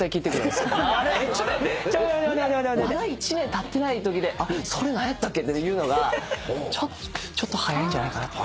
まだ１年たってないときで「それ何やったっけ？」っていうのがちょっと早いんじゃないかな。